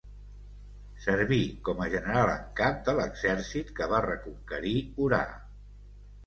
Serví com a general en cap de l'exèrcit que va reconquerir Orà.